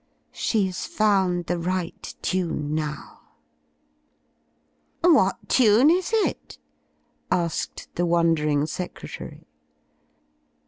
She's found the right tune now." "What tune is it?" asked the wondering secretary.